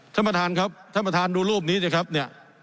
ท่านประธานครับท่านประธานดูรูปนี้สิครับเนี่ย